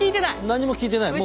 何も聞いてない。